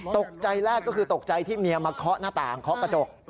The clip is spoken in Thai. ตกใจแรกก็คือตกใจที่เมียมาเคาะหน้าต่างเคาะกระจก